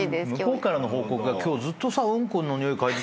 向こうからの報告が「今日ずっとうんこのにおい」